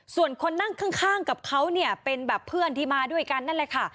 ส่วนคนนั่งข้างกับเขาเนี่ยเป็นแบบเพื่อนที่มาด้วยกันนั่นแหละค่ะ